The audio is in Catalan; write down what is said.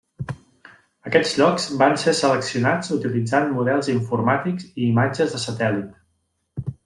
Aquests llocs van ser seleccionats utilitzant models informàtics i imatges de satèl·lit.